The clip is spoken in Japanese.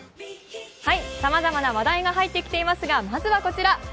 さまざまな話題が入ってきていますがまずはこちら。